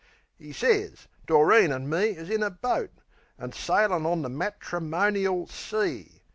'E sez Doreen an' me is in a boat, An' sailin' on the matrimonial sea.